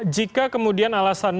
jika kemudian alasan